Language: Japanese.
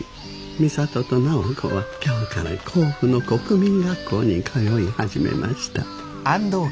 美里と直子は今日から甲府の国民学校に通い始めました。